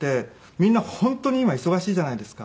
みんな本当に今忙しいじゃないですか。